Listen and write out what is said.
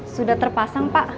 sudah terpasang pak